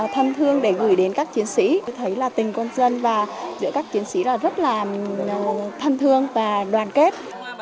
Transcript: thân thương để gửi đến các chiến sĩ tôi thấy là tình quân dân và giữa các chiến sĩ là rất là thân thương và đoàn kết